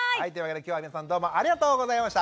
今日は皆さんどうもありがとうございました。